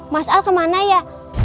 mas al kemana ya